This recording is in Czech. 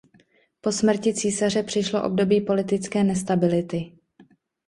Po smrti císaře přišlo období politické nestability.